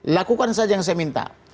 lakukan saja yang saya minta